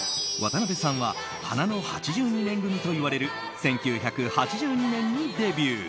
渡辺さんは花の８２年組といわれる１９８２年にデビュー。